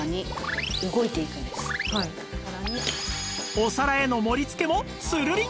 お皿への盛り付けもつるりん！